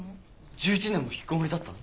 １１年もひきこもりだったの？